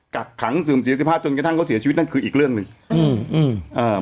กักขังสื่มเสียสิทธิภาพจนกระทั่งเขาเสียชีวิตนั่นคืออีกเรื่องเลยอืมอืม